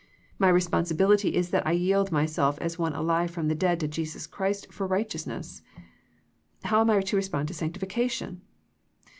My responsibility is that I yield myself as one alive from the dead to Jesus Christ for righteousness. How am I to respond to sanctifi cation